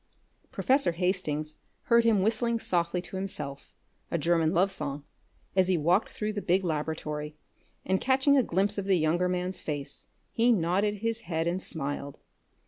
Professor Hastings heard him whistling softly to himself a German love song as he walked through the big laboratory, and catching a glimpse of the younger man's face, he nodded his head and smiled.